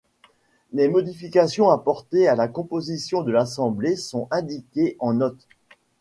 Les modifications apportées à la composition de l'Assemblée sont indiquées en notes.